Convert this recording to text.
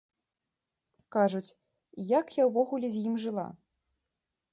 Кажуць, як я ўвогуле з ім жыла?